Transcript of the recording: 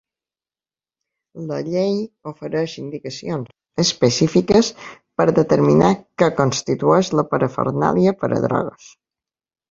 La llei ofereix indicacions específiques per determinar què constitueix la parafernàlia per a drogues.